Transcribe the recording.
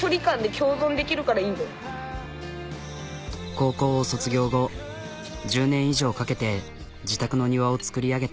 高校を卒業後１０年以上かけて自宅の庭を造り上げた。